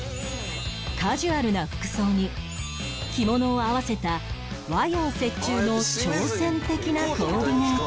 カジュアルな服装に着物を合わせた和洋折衷の挑戦的なコーディネート